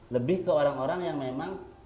lebih ke orang orang yang memang